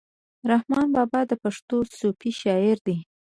رحمان بابا د پښتو صوفي شاعر دی.